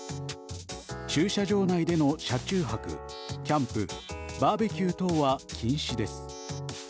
駐車場内での車中泊、キャンプバーベキュー等は禁止です。